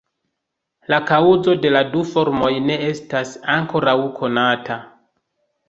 La kaŭzo de la du formoj ne estas ankoraŭ konata.